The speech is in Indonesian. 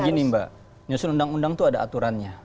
jadi gini mba nyusul undang undang itu ada aturannya